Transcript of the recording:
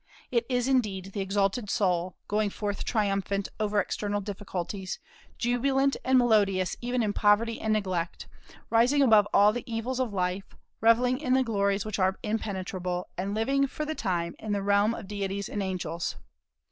It is indeed the exalted soul going forth triumphant over external difficulties, jubilant and melodious even in poverty and neglect, rising above all the evils of life, revelling in the glories which are impenetrable, and living for the time in the realm of deities and angels.